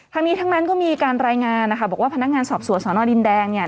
ทั้งนี้ทั้งนั้นก็มีการรายงานนะคะบอกว่าพนักงานสอบสวนสอนอดินแดงเนี่ย